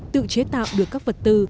tự chế tạo được các vật tư